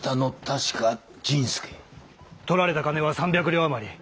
盗られた金は３百両余り。